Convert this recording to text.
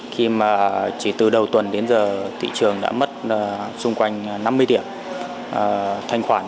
khi mà chỉ từ đầu tuần đến giờ thị trường đã mất xung quanh năm mươi điểm thanh khoản